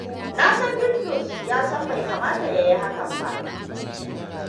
Na san Bitrus ya san bai kamata ya yi hakan ba.